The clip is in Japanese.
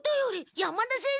山田先生